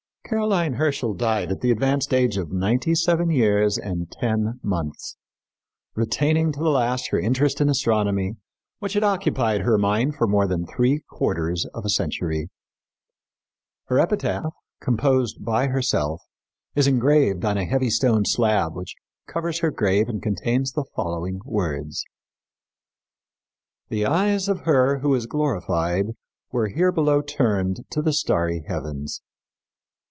Caroline Herschel died at the advanced age of ninety seven years and ten months, retaining to the last her interest in astronomy which had occupied her mind for more than three quarters of a century. Her epitaph, composed by herself, is engraved on a heavy stone slab which covers her grave and contains the following words: "The eyes of her who is glorified were here below turned to the starry heavens.